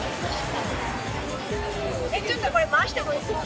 ちょっとこれ回してもいいですか？